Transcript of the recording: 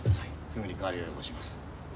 すぐに代わりをよこします。